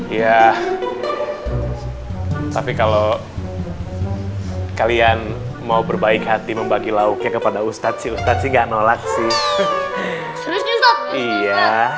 iya tapi kalau kalian mau berbaik hati membagi lauknya kepada ustadz si ustadz sih gak nolak sih iya